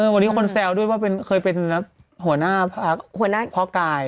วันนี้คนแซวด้วยว่าเคยเป็นหัวหน้าพ่อกาย